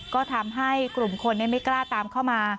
ก็ทำให้กลุ่มคนไม่กล้าตามเข้ามา